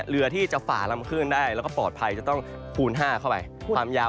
เรือที่จะฝ้ารำคลึงได้แล้วปลอดภัยจะต้องกูล๕เข้าไป